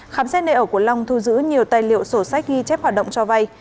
khám xét nơi ở của long thu giữ nhiều tài liệu sổ sách ghi chép hoạt động cho vay